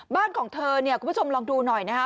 บ้านของเธอเนี่ยคุณผู้ชมลองดูหน่อยนะฮะ